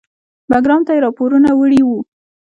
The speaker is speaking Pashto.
بګرام ته یې راپورونه وړي وو.